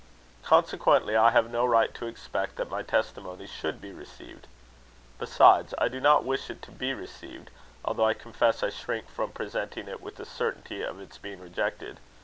Consequently, I have no right to expect that my testimony should be received. Besides, I do not wish it to be received, although I confess I shrink from presenting it with a certainty of its being rejected.